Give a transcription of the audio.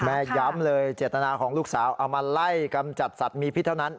ย้ำเลยเจตนาของลูกสาวเอามาไล่กำจัดสัตว์มีพิษเท่านั้น